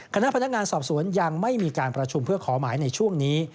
คณะพนักงานสอบสวนยังไม่มีการประชุมเพื่อขอหมายในช่วงนี้